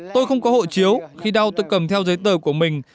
tôi không có hộ chiếu khi đau tôi cầm theo giấy tờ của mình